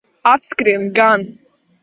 Atskrien gan.